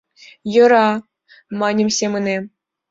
Йӧра, маньым семынем.